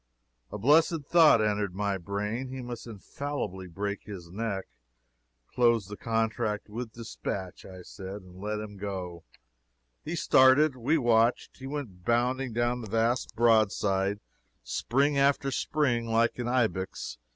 A blessed thought entered my brain. He must infallibly break his neck. Close the contract with dispatch, I said, and let him go. He started. We watched. He went bounding down the vast broadside, spring after spring, like an ibex.